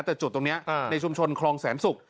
แต่จุดตรงนี้ในชุมชนคลองแสนศุกร์